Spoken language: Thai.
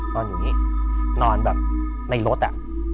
นอนอยู่นี่นอนแบบในรถอ่ะ